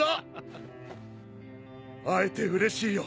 会えてうれしいよ